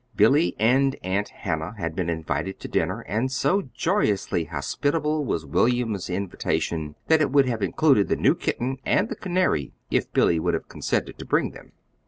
Billy and Aunt Hannah had been invited to dinner; and so joyously hospitable was William's invitation that it would have included the new kitten and the canary if Billy would have consented to bring them.